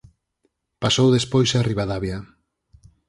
Pasou despois a Ribadavia.